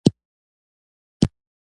مرکه چي راغله زبردست خان ته وویل.